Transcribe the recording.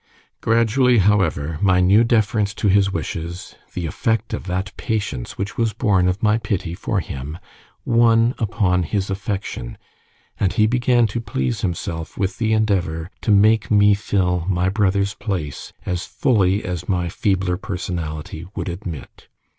Gradually, however, my new deference to his wishes, the effect of that patience which was born of my pity for him, won upon his affection, and he began to please himself with the endeavour to make me fill any brother's place as fully as my feebler personality would admit.